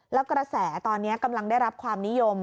แล้วกระแสตอนนี้กำลังได้รับความนิยม